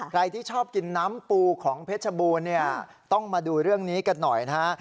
ใครที่ชอบกินน้ำปูของเพชรบูรณ์เนี่ยต้องมาดูเรื่องนี้กันหน่อยนะฮะ